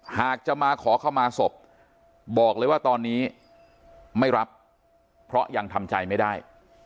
หากจะมาขอเข้ามาศพบอกเลยว่าตอนนี้ไม่รับเพราะยังทำใจไม่ได้